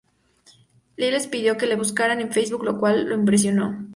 Lee les pidió que las buscaran en Facebook, lo cual los impresionó.